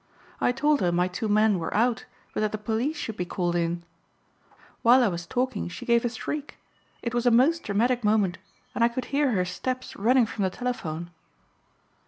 I told her my two men were out but that the police should be called in. While I was talking she gave a shriek it was a most dramatic moment and I could hear her steps running from the telephone."